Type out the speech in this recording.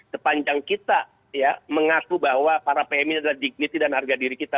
sepanjang kita mengaku bahwa para pmi adalah dignity dan harga diri kita